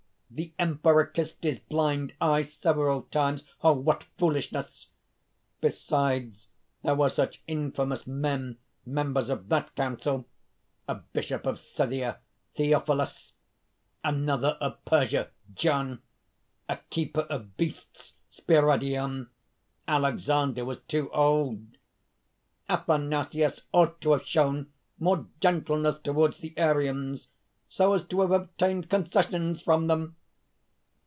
The Emperor kissed his blind eye several times; what foolishness! Besides, there were such infamous men members of that Council! A bishop of Scythia, Theophilus! another of Persia, John! a keeper of beasts, Spiridion! Alexander was too old. Athanasius ought to have shown more gentleness towards the Arians, so as to have obtained concessions from them.